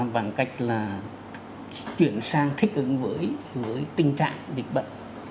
bằng cách là chuyển sang thích ứng với tình trạng dịch bệnh